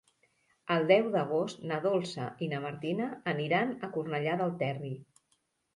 El deu d'agost na Dolça i na Martina aniran a Cornellà del Terri.